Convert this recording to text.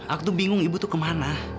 aku bingung ibu tuh kemana